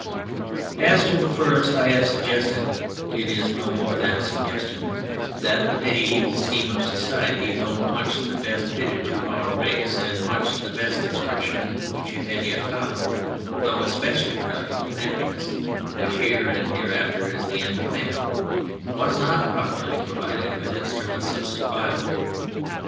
As to the first I have suggested (it is no more than a suggestion), that the mediæval scheme of society, though much the best fitted to our race and much the best expression which it has yet found, though especially productive of happiness (which here and hereafter is the end of man), was not properly provided with instruments of survival.